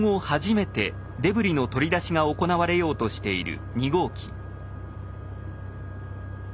初めてデブリの取り出しが行われようとしている２号機。